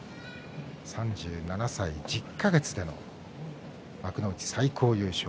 ３７歳１０か月での幕内最高優勝。